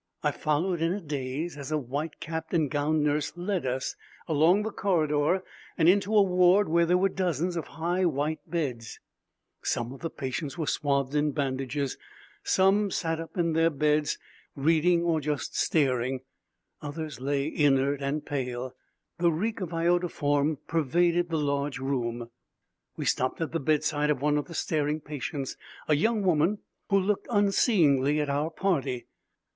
I followed in a daze as a white capped and gowned nurse led us along the corridor and into a ward where there were dozens of high, white beds. Some of the patients were swathed in bandages; some sat up in their beds, reading or just staring; others lay inert and pale. The reek of iodoform pervaded the large room. We stopped at the bedside of one of the staring patients, a young woman who looked unseeingly at our party.